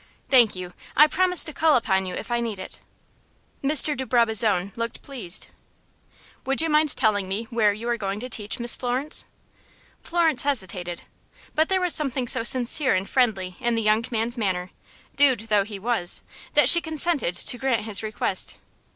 "Thank you, I promise to call upon you if I need it." Mr. de Brabazon looked pleased. "Would you mind telling me where you are going to teach, Miss Florence?" Florence hesitated, but there was something so sincere and friendly in the young man's manner dude though he was that she consented to grant his request.